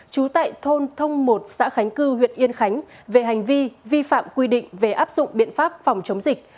trú tại thôn thông một xã khánh cư huyện yên khánh về hành vi vi phạm quy định về áp dụng biện pháp phòng chống dịch